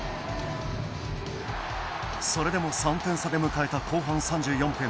それでも３点差で迎えた後半３４分。